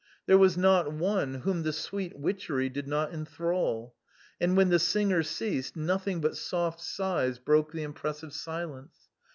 There was not one whom the sweet witchery did not enthral ; and when the singer ceased, nothing but soft sighs broke the impressive silence.